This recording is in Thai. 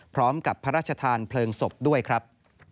พร้อมกับพระราชทานเพลิงศพด้วยครับ